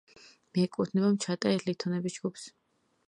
მიეკუთვნება მჩატე ლითონების ჯგუფს.